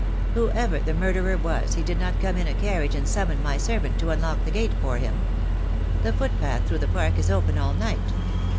Whoever the murderer was he did not come in a carriage and summon my servant to unlock the gate for him. The footpath through the Park is open all night.